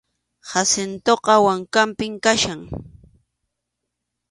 Jacintoqa wankanpim kachkan.